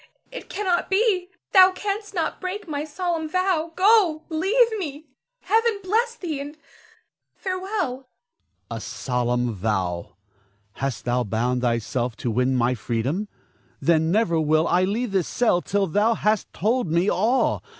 It cannot be! Thou canst not break my solemn vow. Go! leave me! Heaven bless thee, and farewell! Ernest. A solemn vow! Hast thou bound thyself to win my freedom? Then never will I leave this cell till thou hast told me all.